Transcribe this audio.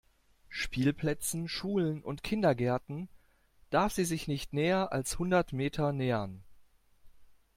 Spielplätzen, Schulen und Kindergärten darf sie sich nicht näher als hundert Meter nähern.